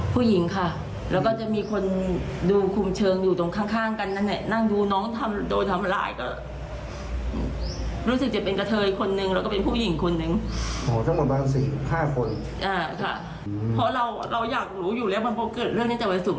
เพราะเราอยากรู้อยู่แล้วมันพอเกิดเรื่องนี้จากวันสุด